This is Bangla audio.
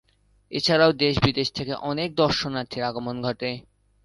এছাড়াও দেশ বিদেশ থেকেও অনেক দর্শনার্থীর আগমন ঘটে।